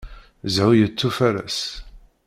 Zhu yettufaṛas.